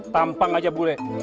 tampang aja boleh